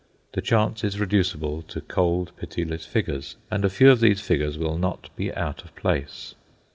The chance is reducible to cold, pitiless figures, and a few of these figures will not be out of place.